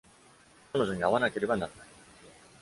彼女に会わなければならない。